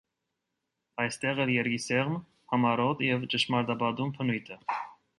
Այստեղ էլ՝ երկի սեղմ, համառոտ և ճշմարտապատում բնույթը։